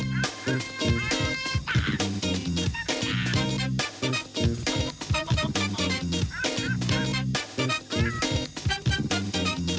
พร้อม